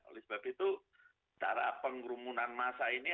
oleh sebab itu secara pengrumunan masa ini